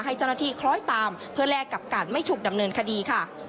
ให้เจ้าหน้าที่คล้อยตามเพื่อแลกกับการไม่ถูกดำเนินคดีค่ะ